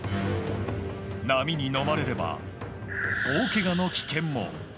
波にのまれれば大けがの危険も。